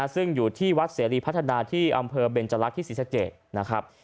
ซึ่งอยู่ที่วัดเสรีพัฒนาที่อำเภอเบนจรักษ์ที่ศรีสะเกดนะครับ